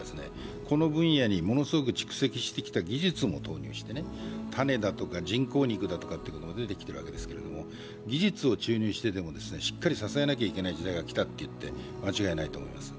この分野にものすごく蓄積してきた技術も投入して、種だとか人工肉というのが出てきているわけですけれども、技術を注入してでもしっかり支えなければいけない時代が来たといっても間違いないと思います。